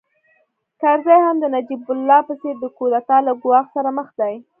کرزی هم د نجیب الله په څېر د کودتا له ګواښ سره مخ دی